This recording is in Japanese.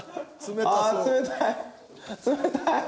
冷たい。